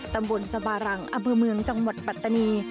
ตำบลสบารังอำเภอเมืองจังหวัดปัตตานี